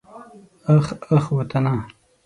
اخ اخ وطنه.